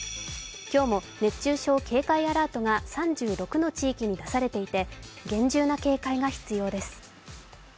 今日も熱中症警戒アラートが３６の地域に出されていて厳重な警戒が必要です。